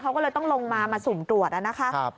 เขาก็เลยต้องลงมามาสูงตรวจ